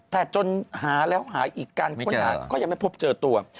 แต่จนหาแล้วหาอีกการค้นหาก็ยังไม่พบเจอตัว